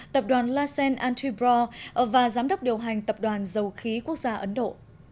tập đoàn lassen antibro và giám đốc điều hành tập đoàn dầu khí quốc gia ấn độ